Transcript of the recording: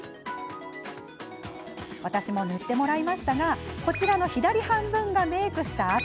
私も塗ってもらいましたがこちらの左半分がメークした後。